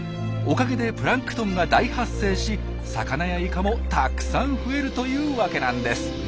おかげでプランクトンが大発生し魚やイカもたくさん増えるというわけなんです！